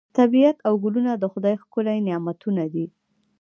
طبیعت او ګلونه د خدای ښکلي نعمتونه دي.